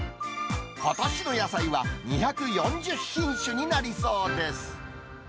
ことしの野菜は２４０品種になりそうです。